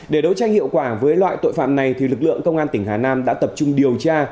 để đấu tranh hiệu quả với loại tội phạm này lực lượng công an tỉnh hà nam đã tập trung điều tra